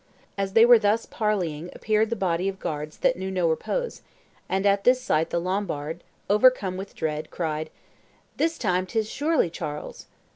As they were thus parleying appeared the body of guards that knew no repose; and at this sight the Lombard, overcome with dread, cried, 'This time 'tis surely Charles.